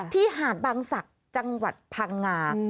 หาดบางศักดิ์จังหวัดพังงา